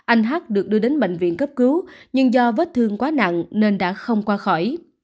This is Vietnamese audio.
anh hát được đưa đến bệnh viện cấp cứu nhưng do vết thương quá nặng nên đã không qua khỏi